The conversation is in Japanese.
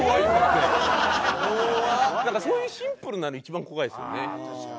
なんかそういうシンプルなの一番怖いですよね。